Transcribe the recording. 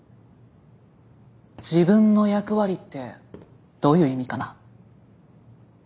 自分の役割ってどういう意味かな？